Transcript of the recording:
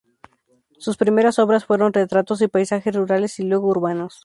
Sus primeras obras fueron retratos y paisajes rurales y luego urbanos.